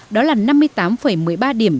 đó là năm mươi tám một mươi ba điểm